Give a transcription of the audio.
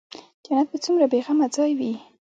جنت به څومره بې غمه ځاى وي.